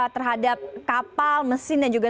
terhadap kapal mesin dan juga